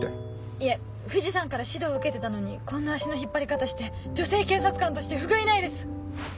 いえ藤さんから指導受けてたのにこんな足の引っ張り方して女性警察官としてふがいないです。